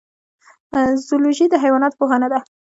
زولوژی د حیواناتو پوهنه ده